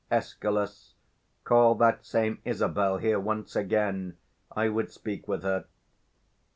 Escal. Call that same Isabel here once again: I would speak with her.